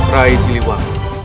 rakyatku semuanya hari ini